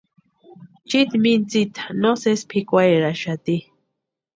Chiiti mintsita no sési pʼikwarheraxati.